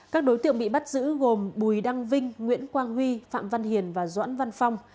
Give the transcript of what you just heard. các đối tượng bị bắt giữ gồm bùi đăng vinh nguyễn quang huy phạm văn hiền và doãn văn phong